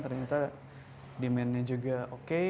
ternyata demand nya juga oke